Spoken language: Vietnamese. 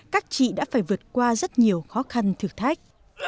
các chị đã phải vượt qua rất nhiều khó khăn thử thách